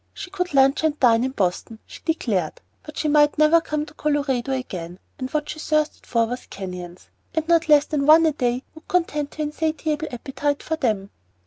She could lunch and dine in Boston, she declared, but she might never come to Colorado again, and what she thirsted for was canyons, and not less than one a day would content her insatiable appetite for them.